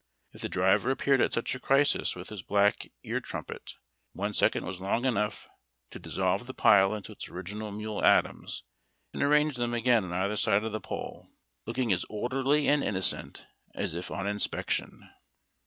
If the driver appeared at such a crisis with his black " ear trumpet," one second was long enough to dis solve the pile into its original mule atoms, and arrange them again on either side of the pole, looking as orderly and inno cent as if on inspection.